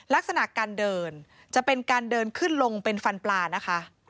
ลักษณะการเดินจะเป็นการเดินขึ้นลงเป็นฟันปลานะคะ